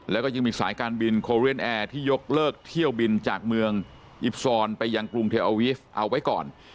แล้วก็ยังมีสายการบินโคเรนแอร์ที่ยกเลิกเที่ยวบินจากเมืองอิฟซอนไปยังกรุงเทลอาวีฟเอาไว้ก่อน